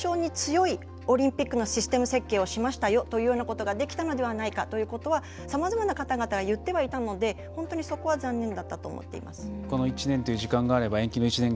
それさえできればＩＯＣに対して日本は感染症に強いオリンピックのシステム設計をしましたよというようなことができたのではないかということはさまざまな方々が言ってはいたので本当にそこは残念だったと思います。